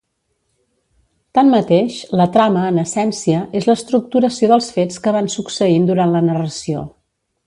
Tanmateix, la trama, en essència, és l'estructuració dels fets que van succeint durant la narració.